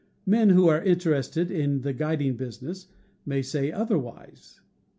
Men who are in terested in the guiding business may say otherwise.